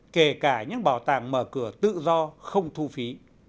kể cả những bảo tàng mở cửa tự do không thu phí